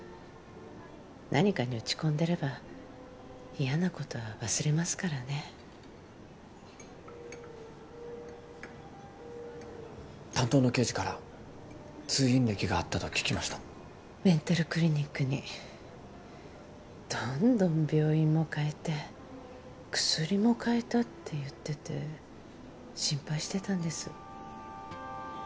何かに打ち込んでれば嫌なことは忘れますからね担当の刑事から通院歴があったと聞きましたメンタルクリニックにどんどん病院も変えて薬も替えたって言ってて心配してたんです